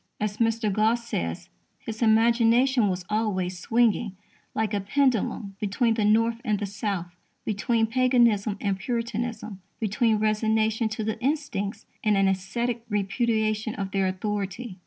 As Mr. Gosse says, "his imagination was always swinging, like a pendulum, between the North and the South, between Paganism and Puritanism, between resignation to the insticts and an ascetic repudiation of their authority."